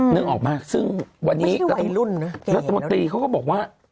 นึกออกมาซึ่งวันนี้รัฐมนตรีเขาก็บอกว่า